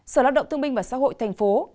sở lãng động thương minh và xã hội tp hcm